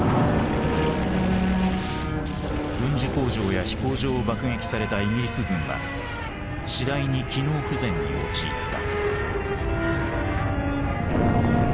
軍需工場や飛行場を爆撃されたイギリス軍は次第に機能不全に陥った。